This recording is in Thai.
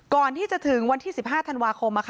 ก่อนที่จะถึงวันที่๑๕ธันวาคม